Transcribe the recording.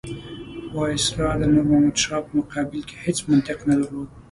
وایسرا د نور محمد شاه په مقابل کې هېڅ منطق نه درلود.